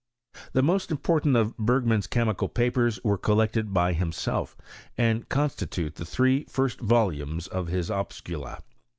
The most important of Bergman's chemical papers were collected by himself, and constitute the three first volumes of his Opuscula.